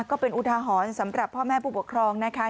ก็เป็นอุทาหรณ์สำหรับพ่อแม่ผู้ปกครองนะคะ